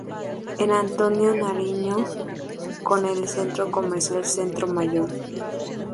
En Antonio Nariño con el Centro comercial Centro Mayor.